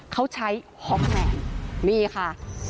เขาใช้ฮอตแมนนี่ค่ะ